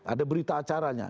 ada berita acaranya